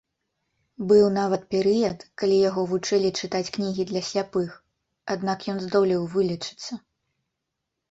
Быў нават перыяд, калі яго вучылі чытаць кнігі для сляпых, аднак ён здолеў вылечыцца.